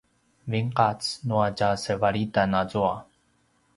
vinqac nua tjasevalitan azua